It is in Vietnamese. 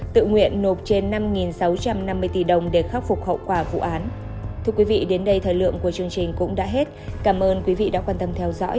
tự nguyện nộp trên năm sáu trăm năm mươi tỷ đồng để khắc phục hậu quả vụ án